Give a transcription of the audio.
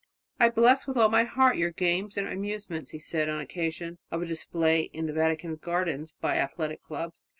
"I bless with all my heart your games and amusements," he said on the occasion of a display in the Vatican gardens by athletic clubs.